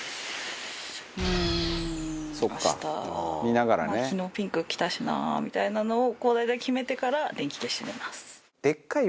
「うーん明日まあ昨日ピンク着たしな」みたいなのをこれで決めてから電気消して寝ます。